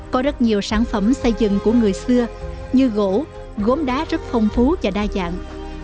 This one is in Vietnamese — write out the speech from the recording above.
có rất nhiều sản phẩm xây dựng của người xưa như gỗ gốm đá rất phong phú và đa dạng